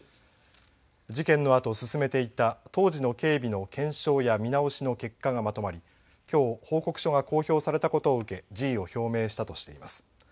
事件のあと進めていた当時の警備の検証や見直しの結果がまとまり、きょう報告書が公表されたことを受け辞意を表明したとしています。